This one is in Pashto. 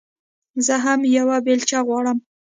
زه هم يوه بېلچه غواړم.